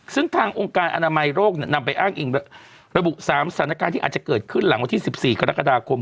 ซึ่งทางองค์การอนามัยโรคนำไปอ้างอิงระบุ๓สถานการณ์ที่อาจจะเกิดขึ้นหลังวันที่๑๔กรกฎาคม